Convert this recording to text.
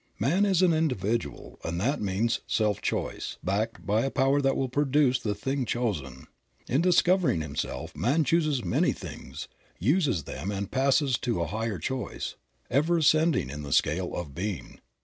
Man is an individual and that means self choice, backed by a power that will produce the thing chosen. In discovering himself man chooses many things, uses them and passes to a higher choice, ever ascending in the scale of being.